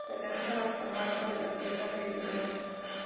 Pertenece a la comarca de Tierra de Lemos.